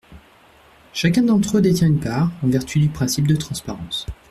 Chacun d’entre eux détient une part, en vertu du principe de transparence.